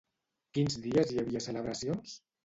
Quins dies hi havia celebracions?